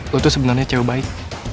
lo tuh sebenernya cewek baik